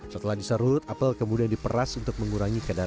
setelah diserut apel kemudian diperas untuk mengurangi kadar